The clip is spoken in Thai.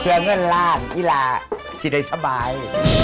สู่ทางก็รัดก็อีละช่วยได้สบาย